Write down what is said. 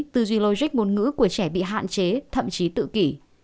từ dù logic ngôn ngữ của trẻ bị hạn chế thậm chí tự kỷ